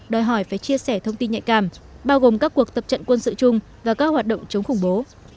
đòi hỏi phải chia sẻ thông tin nhạy cảm bao gồm các cuộc tập trận quân sự chung và các hoạt động chống khủng bố